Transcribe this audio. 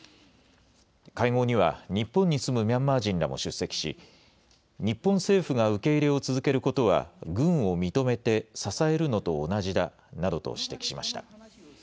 会合には、日本に住むミャンマー人らも出席し、日本政府が受け入れを続けることは、軍を認めて支えるのと同じだなどと指摘しました。